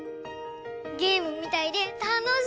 ゲームみたいでたのしい！